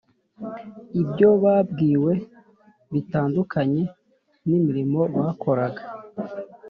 Ibyo babwiwe bitandukanye n’imirimo bakoraga